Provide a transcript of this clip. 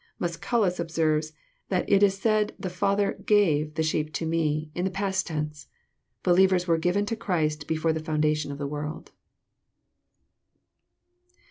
Musculus observes that it is said the Father "gave" the sheep to Me, in the past tense. Believers were given to Christ before the foundation of the world.